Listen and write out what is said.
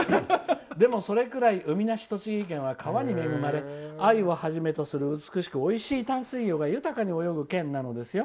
でもそれくらい、海なし栃木県は川に恵まれアユをはじめとする美しくおいしい淡水魚が豊かに泳ぐ県なのですよ。